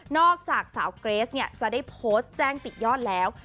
จากสาวเกรสเนี่ยจะได้โพสต์แจ้งปิดยอดแล้ว